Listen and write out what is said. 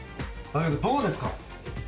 どうですか？